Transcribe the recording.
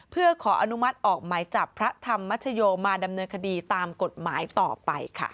เพื่อขออนุมัติออกหมายจับพระธรรมชโยมาดำเนินคดีตามกฎหมายต่อไปค่ะ